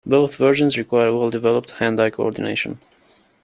Both versions require well-developed hand-eye coordination.